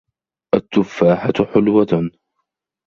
التُّفَّاحَةُ حلْوَةٌ.